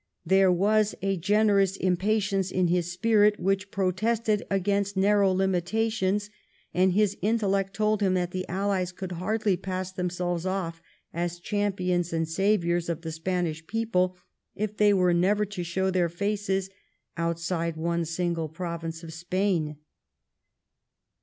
There was a generous impatience in his spirit which protested against narrow limitations, and his intellect told him that the AUies could hardly pass themselves ofi* as champions and saviours of the Spanish people if they were never to show their faces outside one single province of Spain.